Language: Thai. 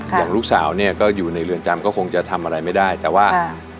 อย่างลูกสาวเนี่ยก็อยู่ในเรือนจำก็คงจะทำอะไรไม่ได้แต่ว่าอ่า